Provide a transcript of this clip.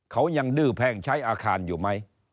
เขายังดื้อแพงใช้อาคารอยู่ไหม